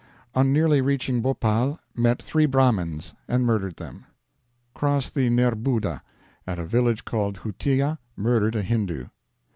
"On nearly reaching Bhopal, met 3 Brahmins, and murdered them. "Cross the Nerbudda; at a village called Hutteea, murdered a Hindoo.